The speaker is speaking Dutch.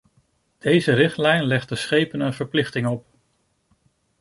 Deze richtlijn legt de schepen een verplichting op.